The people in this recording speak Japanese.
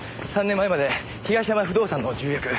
３年前まで東山不動産の重役。